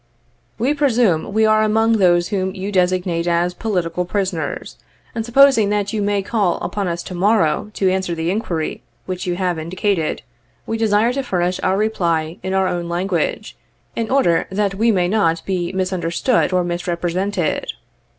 We presume we are among those whom you designate as "political prisoners," and supposing that you may call upon us. to morrow, to answer the inquiry which you have indicated, we desire to furnish our reply in our own language, in order that we may not be mis understood or misrepresented.